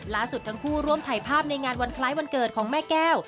ทั้งคู่ร่วมถ่ายภาพในงานวันคล้ายวันเกิดของแม่แก้ว